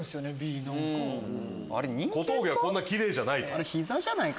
小峠はこんなキレイじゃない？